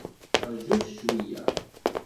Rjut cweyya!